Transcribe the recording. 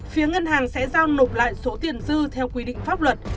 phía ngân hàng sẽ giao nộp lại số tiền dư theo quy định pháp luật